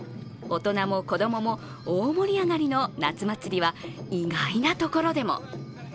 大人も子供も大盛り上がりの夏祭りは意外なところでも。